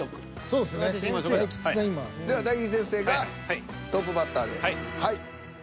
では大吉先生がトップバッターではい。